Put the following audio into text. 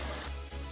uhuu enak banget